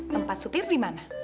tempat supir dimana